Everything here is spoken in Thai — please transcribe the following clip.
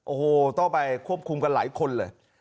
โอ้โหต้องไปควบคุมกันหลายคนเลย